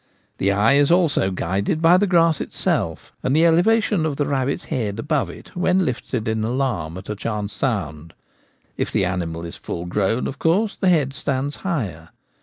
The eye is also guided by the grass itself and the elevation of the rabbit's head above it when lifted in alarm at a chance sound : if the animal is full grown of course the head stands higher.